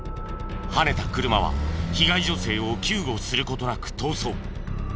はねた車は被害女性を救護する事なく逃走。